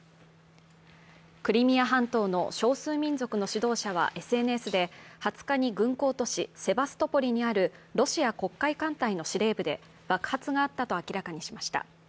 クリミア半島の少数民族の指導者はＳＮＳで２０日に軍港都市セバストポリにあるロシア黒海艦隊の司令部で爆発があったと明らかにしました。